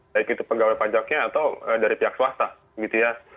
baik itu pegawai pajaknya atau dari pihak swasta